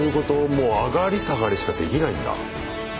もう上がり下がりしかできないんだ。